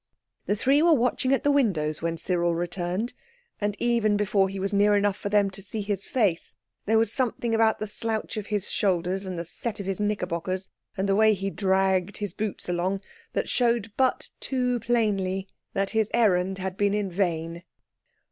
The three were watching at the windows when Cyril returned, and even before he was near enough for them to see his face there was something about the slouch of his shoulders and set of his knickerbockers and the way he dragged his boots along that showed but too plainly that his errand had been in vain.